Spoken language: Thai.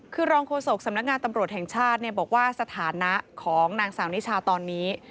คือรองโฆษกสำนักงานตำรวจแห่งชาติบอกว่าสถานะของนางสาวนิชาตอนนี้